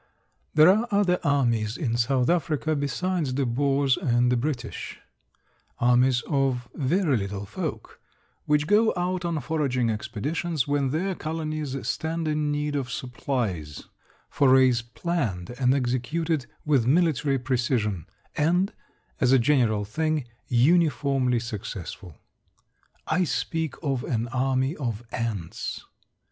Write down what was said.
There are other armies in South Africa besides the Boers and the British; armies of very little folk, which go out on foraging expeditions when their colonies stand in need of supplies forays planned and executed with military precision, and, as a general thing, uniformly successful. I speak of an army of ants.